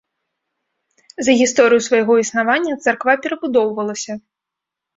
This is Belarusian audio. За гісторыю свайго існавання царква перабудоўвалася.